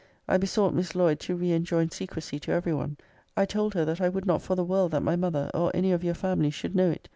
I besought Miss Lloyd to re enjoin secrecy to every one. I told her that >>> I would not for the world that my mother, or any of your family, should know it.